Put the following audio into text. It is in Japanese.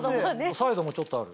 サイドもちょっとある。